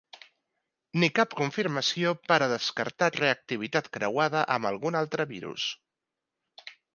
Ni cap confirmació per a descartar reactivitat creuada amb algun altre virus.